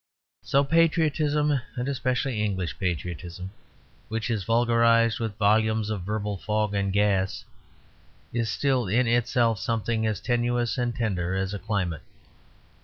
So patriotism, and especially English patriotism, which is vulgarized with volumes of verbal fog and gas, is still in itself something as tenuous and tender as a climate.